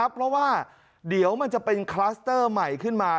เพราะว่าเดี๋ยวมันจะเป็นคลัสเตอร์ใหม่ขึ้นมา